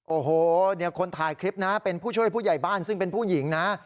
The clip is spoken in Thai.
โอ้โหเนี่ยคนถ่ายคลิปนะเป็นผู้ช่วยผู้ใหญ่บ้านซึ่งเป็นผู้หญิงนะ